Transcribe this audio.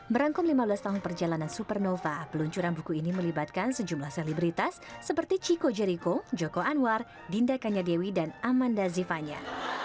merangkum lima belas tahun perjalanan supernova peluncuran buku ini melibatkan sejumlah selebritas seperti chico jeriko joko anwar dinda kanyadewi dan amanda zivanya